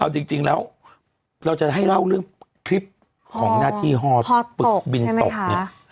เอาจริงจริงแล้วเราจะให้เล่าเรื่องคลิปของหน้าที่ฮอตกบินตกใช่ไหมค่ะ